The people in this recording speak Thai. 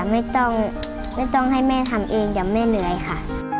ไม่ต้องไม่ต้องให้แม่ทำเองเดี๋ยวแม่เหนื่อยค่ะ